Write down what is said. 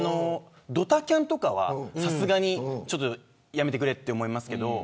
ドタキャンとかは、さすがにやめてくれと思いますけど。